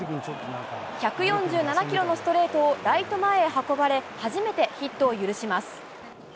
１４７キロのストレートをライト前へ運ばれ、初めてヒットを許します。